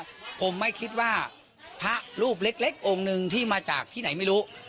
ผมไม่คิดว่าพระรูปเล็กองค์หนึ่งที่มาจากที่ไหนไม่รู้